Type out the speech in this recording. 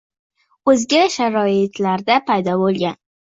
o‘zga sharoitlarda paydo bo‘lgan